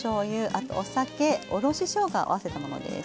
あとお酒おろししょうがを合わせたものです。